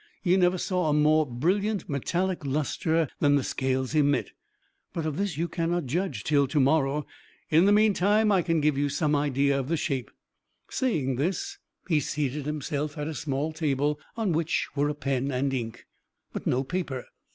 You never saw a more brilliant metallic lustre than the scales emit but of this you cannot judge till to morrow. In the meantime I can give you some idea of the shape." Saying this, he seated himself at a small table, on which were a pen and ink, but no paper.